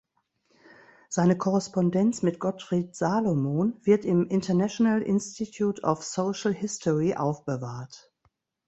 Seine Korrespondenz mit Gottfried Salomon wird im International Institut of Social History aufbewahrt.